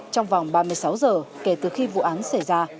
trong vòng ba mươi sáu giờ kể từ khi vụ án xảy ra